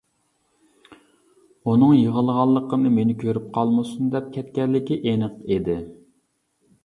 ئۇنىڭ يىغلىغانلىقىنى مېنى كۆرۈپ قالمىسۇن دەپ كەتكەنلىكى ئېنىق ئىدى.